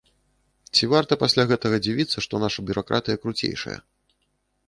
Ці варта пасля гэтага дзівіцца, што наша бюракратыя круцейшая.